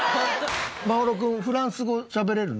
眞秀君フランス語しゃべれるの？